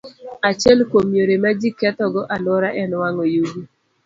Achiel kuom yore ma ji kethogo alwora en wang'o yugi.